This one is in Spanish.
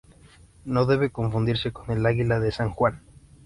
No debe confundirse con el Águila de San Juan.